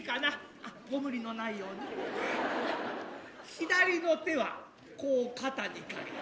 左の手はこう肩に掛けて。